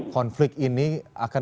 konflik ini akan